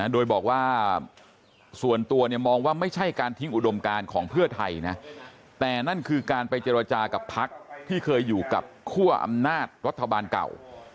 โดยบอกว่าส่วนตัวมองว่าไม่ใช่การทิ้งอุดมการของเพื่อไทยนะแต่นั่นคือการไปเจรจากับพักที่เคยอยู่กับคั่วอำนาจรัฐบาลเก่า